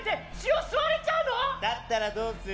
だったらどうする？